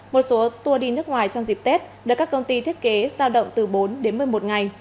một số tour đi nước ngoài trong dịp tết được các công ty thiết kế giao động từ bốn đến một mươi một ngày